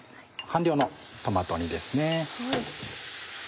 半量のトマト煮ですね。